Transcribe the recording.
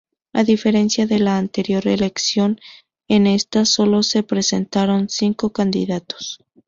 A diferencia de la anterior elección, en esta solo se presentaron cinco candidatos.